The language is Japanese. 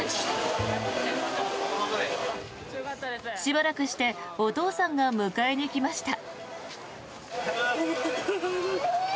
しばらくしてお父さんが迎えに来ました。